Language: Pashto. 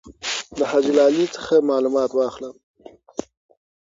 د حاجي لالي څخه معلومات واخله.